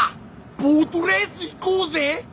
ボートレース行こうぜ！